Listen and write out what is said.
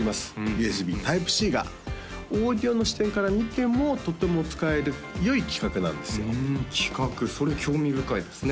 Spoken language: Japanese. ＵＳＢｔｙｐｅ−Ｃがオーディオの視点から見てもとっても使えるよい規格なんですよふん規格それ興味深いですね